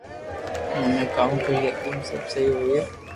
ھون ھمي ڪاو ڪري ھگو سب سھي ھوئي